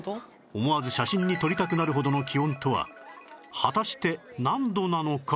思わず写真に撮りたくなるほどの気温とは果たして何度なのか？